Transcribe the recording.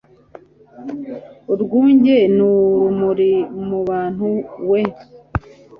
urwunge ni urumuri mu bantu, we